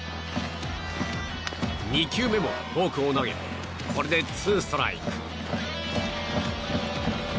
２球目もフォークを投げこれでツーストライク。